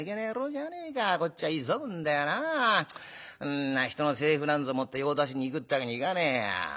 んな人の財布なんぞ持って用足しに行くってわけにいかねえや。